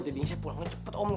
jadi saya pulangnya cepet om